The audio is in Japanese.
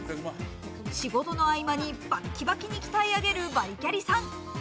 仕事の合間にバッキバキに鍛え上げるバリキャリさん。